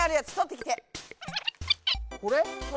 これ？